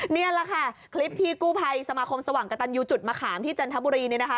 นี่แหละค่ะคลิปที่กู้ภัยสมาคมสว่างกระตันยูจุดมะขามที่จันทบุรีเนี่ยนะคะ